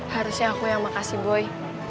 harusnya aku yang makasih boy